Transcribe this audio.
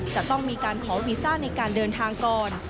จะต้องมีการขอวีซ่าในการเดินทางก่อน